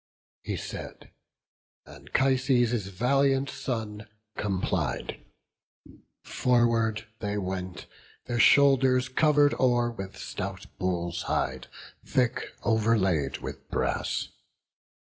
He said; Anchises' valiant son complied; Forward they went, their shoulders cover'd o'er With stout bull's hide, thick overlaid with brass.